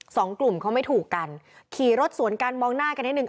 สองกลุ่มเขาไม่ถูกกันขี่รถสวนกันมองหน้ากันนิดหนึ่ง